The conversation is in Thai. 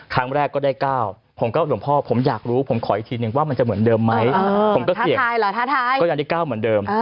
ครั้งแรกก็ได้๙ผมก็หลวงพ่อผมอยากรู้ผมขออีกทีนึงว่ามันจะเหมือนเดิมไหมผมก็เสี่ยงก็ยังได้๙เหมือนเดิม